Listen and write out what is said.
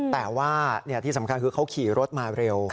แต่ว่าที่สำคัญคือเขาขี่รถมาเร็ว